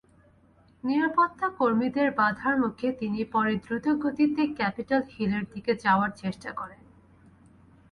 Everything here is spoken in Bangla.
নিরাপত্তাকর্মীদের বাধার মুখে তিনি পরে দ্রুতগতিতে ক্যাপিটল হিলের দিকে যাওয়ার চেষ্টা করেন।